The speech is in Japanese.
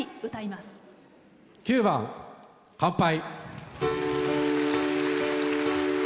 ９番「乾杯」。